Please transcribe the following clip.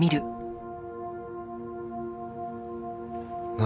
何？